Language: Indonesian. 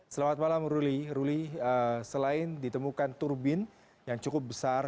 selamat malam ruli ruli selain ditemukan turbin yang cukup besar